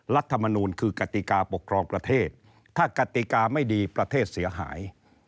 รัฐมนูลคือกติกาปกครองประเทศถ้ากติกาไม่ดีประเทศเสียหาย